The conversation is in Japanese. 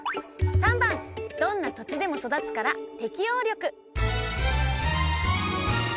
３番どんな土地でも育つから「適応力」